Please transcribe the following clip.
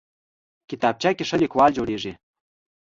کتابچه کې ښه لیکوال جوړېږي